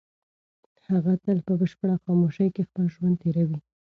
هغه تل په بشپړه خاموشۍ کې خپل ژوند تېروي.